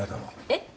えっ？